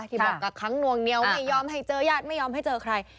ที่บอกกักค้างนวงเหนียวไม่ยอมให้เจอญาติไม่ยอมให้เจอใคร